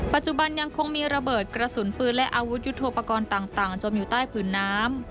ปัจจุบันยังคงมีระเบิดกระสุนปืนและอาวุธยุทธโปรกรณ์ต่างจมอยู่ใต้ผืนน้ำ